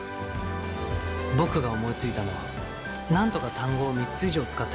僕が思いついたのはなんとか単語を３つ以上使って話すこと。